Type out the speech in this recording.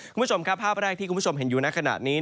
คุณผู้ชมครับภาพที่คุณผู้ชมเห็นอยู่น่ะขนาดนี้